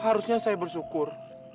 harusnya saya bersyukur